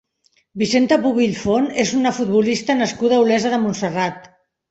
Vicenta Pubill Font és una futbolista nascuda a Olesa de Montserrat.